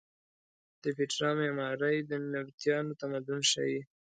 د پیترا معمارۍ د نبطیانو تمدن ښیې.